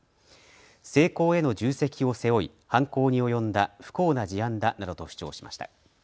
成功への重責を背負い犯行に及んだ不幸な事案だなどと主張しました。